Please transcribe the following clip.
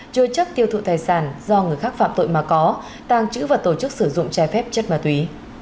chơi chất tiêu thụ tài sản do người khác phạm tội mà có tàng trữ vật tổ chức sử dụng chai phép chất mà túy